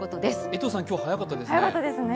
江藤さん、今日、早かったですね。